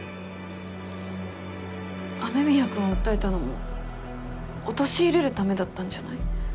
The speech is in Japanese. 雨宮くんを訴えたのも陥れるためだったんじゃない？